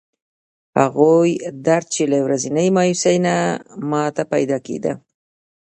هغه درد چې له ورځنۍ مایوسۍ نه ماته پیدا کېده.